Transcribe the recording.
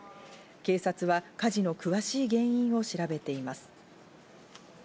警察は火事の詳しい原因を調べています。